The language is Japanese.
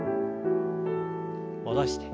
戻して。